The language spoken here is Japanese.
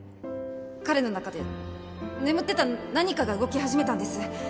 彼の中で眠ってた何かが動き始めたんです